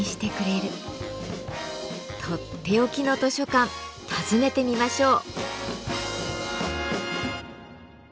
取って置きの図書館訪ねてみましょう。